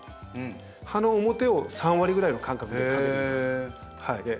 葉の表を３割ぐらいの感覚でかけていきます。